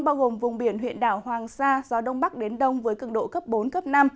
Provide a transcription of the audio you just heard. bao gồm vùng biển huyện đảo hoàng sa gió đông bắc đến đông với cường độ cấp bốn cấp năm